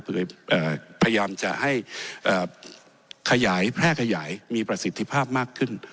พยายามจะให้ขยายแพร่ขยายมีประสิทธิภาพมากขึ้น